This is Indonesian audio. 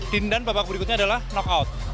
dan babak berikutnya adalah knockout